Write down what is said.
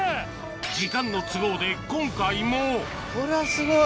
時間の都合で今回もこれはすごい。